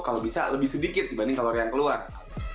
kalau bisa lebih sedikit dibanding kalori yang keluar